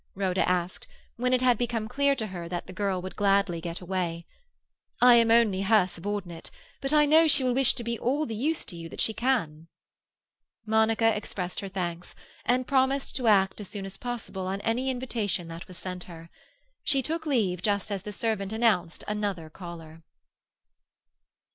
Rhoda asked, when it had become clear to her that the girl would gladly get away. "I am only her subordinate, but I know she will wish to be of all the use to you she can." Monica expressed her thanks, and promised to act as soon as possible on any invitation that was sent her. She took leave just as the servant announced another caller.